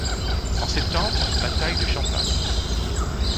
En septembre, bataille de Champagne.